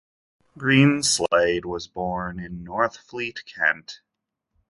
Greenslade was born in Northfleet, Kent.